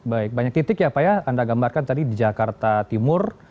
baik banyak titik ya pak ya anda gambarkan tadi di jakarta timur